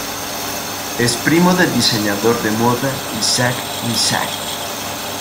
Es primo del diseñador de moda Isaac Mizrahi.